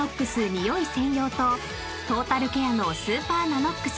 ニオイ専用とトータルケアのスーパーＮＡＮＯＸ